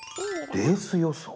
レース予想。